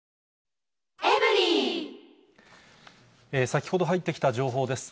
先ほど入ってきた情報です。